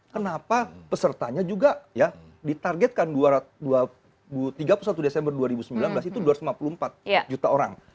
kenapa pesertanya juga ya ditargetkan tiga puluh satu desember dua ribu sembilan belas itu dua ratus lima puluh empat juta orang